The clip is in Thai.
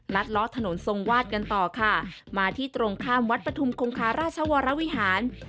ล้อถนนทรงวาดกันต่อค่ะมาที่ตรงข้ามวัดปฐุมคงคาราชวรวิหาร